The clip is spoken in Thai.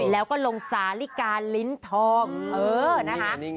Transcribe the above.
แล้วก็ลงสาลิกาลิ้นทองเออนะคะ